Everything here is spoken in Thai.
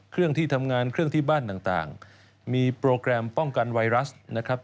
เครื่องที่ทำงานเครื่องที่บ้านต่างมีโปรแกรมป้องกันไวรัสนะครับ